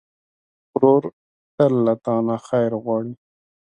ورور تل له تا نه خیر غواړي.